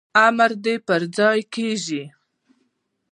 امر دي پرځای کیږي